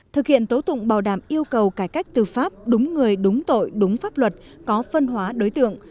thực hiện tố tụng bảo đảm yêu cầu cải cách tư pháp đúng người đúng tội đúng pháp luật có phân hóa đối tượng